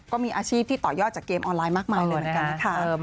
ก็มีอาชีพที่ต่อยอดจากเกมออนไลน์มากมายเลยนะครับ